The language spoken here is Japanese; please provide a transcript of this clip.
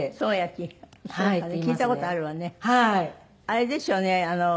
あれですよね。